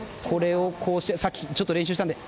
さっき、ちょっと練習したので。